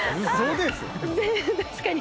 確かに。